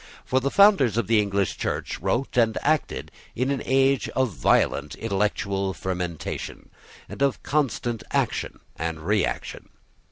For the founders of the English Church wrote and acted in an age of violent intellectual fermentation, and of constant action and reaction.